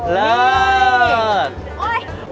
เลิก